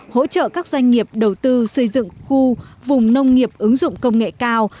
hỗ trợ các doanh nghiệp đầu tư xây dựng khu vùng nông nghiệp ứng dụng công nghệ cao